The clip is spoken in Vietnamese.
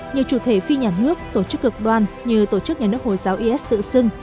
nhiều chủ thể phi nhà nước tổ chức cực đoan như tổ chức nhà nước hồi giáo is tự xưng